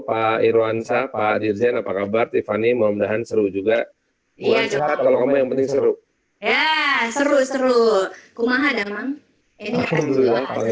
pak irwan sapa dirjen apa kabar tiffany mohon maaf seru juga ya seru seru kumaha damang